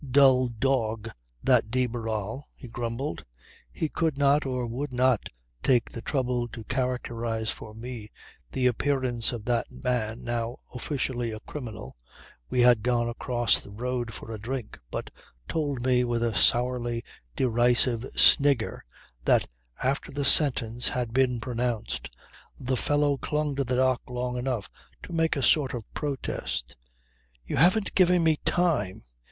Dull dog that de Barral he grumbled. He could not or would not take the trouble to characterize for me the appearance of that man now officially a criminal (we had gone across the road for a drink) but told me with a sourly, derisive snigger that, after the sentence had been pronounced the fellow clung to the dock long enough to make a sort of protest. 'You haven't given me time.